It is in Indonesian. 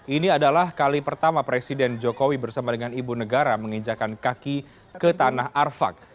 ini adalah kali pertama presiden jokowi bersama dengan ibu negara menginjakan kaki ke tanah arfak